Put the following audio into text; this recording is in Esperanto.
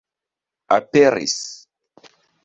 aperis